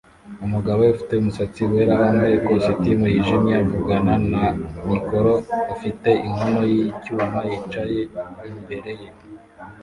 Umugabo ufite umusatsi wera wambaye ikositimu yijimye avugana na mikoro afite inkono yicyuma yicaye imbere ye